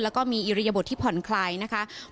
แล้วก็มีอิริยบทที่ผ่อนคลายนะคะ